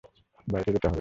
বাইরে যেতে হবে।